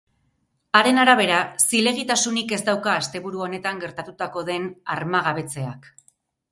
Haren arabera, zilegitasunik ez dauka asteburu honetan gertatuko den armagabetzeak.